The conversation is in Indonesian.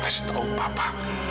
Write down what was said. kasih tau papa